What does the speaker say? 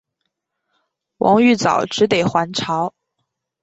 王玉藻只得还朝。